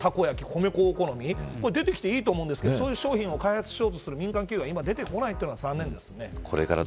米粉お好み焼き出てきていいと思うんですけどそういう商品を開発しようという民間企業が出てこないのが残念です。